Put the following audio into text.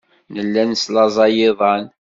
Nella neslaẓay iḍan.